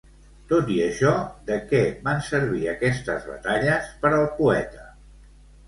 Tot i això, de què van servir aquestes batalles per al poeta?